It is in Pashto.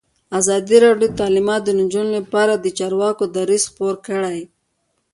ازادي راډیو د تعلیمات د نجونو لپاره لپاره د چارواکو دریځ خپور کړی.